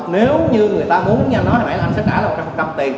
nếu như người ta muốn như anh nói hồi nãy anh sẽ trả một trăm linh tiền